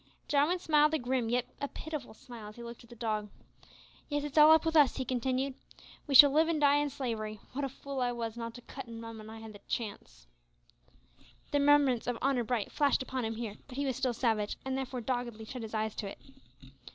Jarwin smiled a grim yet a pitiful smile as he looked at the dog. "Yes, it's all up with us," he continued; "we shall live and die in slavery; wot a fool I was not to cut and run when I had the chance!" The remembrance of "honour bright" flashed upon him here, but he was still savage, and therefore doggedly shut his eyes to it.